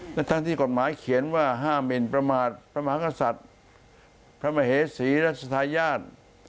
หน้าทางที่กฎหมายเขียนว่ามินประมาทประมศรประมเหสีรัสสาหญญาต